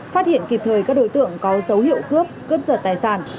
phát hiện kịp thời các đối tượng có dấu hiệu cướp cướp giật tài sản